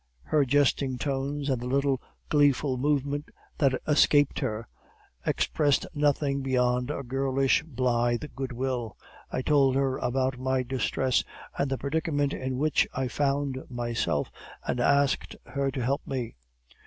Her jesting tones, and a little gleeful movement that escaped her, expressed nothing beyond a girlish, blithe goodwill. I told her about my distress and the predicament in which I found myself, and asked her to help me.